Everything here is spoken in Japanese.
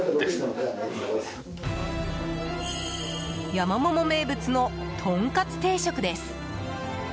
山もも名物のとんかつ定食です。